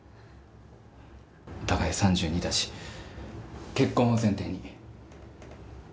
お互い３２だし、結婚を前提に。